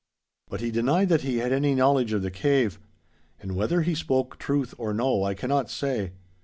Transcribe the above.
But he denied that he had any knowledge of the cave. And whether he spoke truth or no I cannot say.